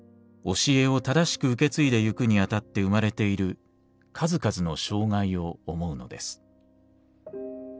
教えを正しく受け継いでゆくにあたって生まれている数々の障害を思うのです。